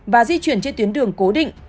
và di chuyển trên tuyến đường cố định